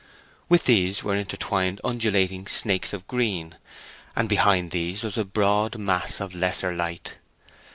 With these were intertwined undulating snakes of green, and behind these was a broad mass of lesser light.